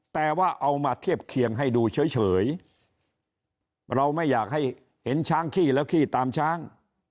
แต่ว่าเอามาเทียบเคียงให้ดูเฉยเราไม่อยากให้เห็นช้างขี้แล้วขี้ตามช้าง